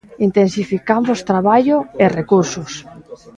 Intensificamos traballo e recursos.